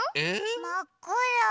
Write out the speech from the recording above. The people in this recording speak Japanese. まっくら。